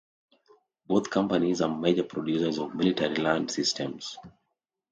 Both companies are major producers of military land systems.